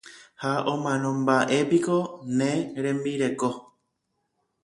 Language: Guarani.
Ha omanómba'epiko ne rembireko.